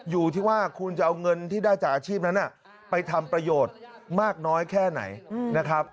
อยู่ที่ว่าคุณจะเอาเงินที่ได้จากอาชีพนั้นไปทำประโยชน์มากน้อยแค่ไหนนะครับ